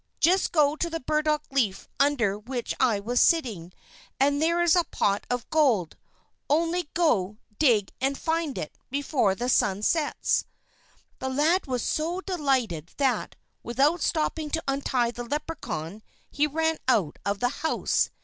Just go to the burdock leaf under which I was sitting, and there is the pot of gold. Only go, dig, and find it, before the sun sets." The lad was so delighted that, without stopping to untie the Leprechaun, he ran out of the house.